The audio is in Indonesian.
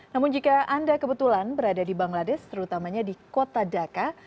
namun jika anda kebetulan berada di bangladesh terutamanya di kota dhaka